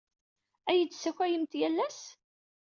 Ad iyi-d-tessakayemt yal ass?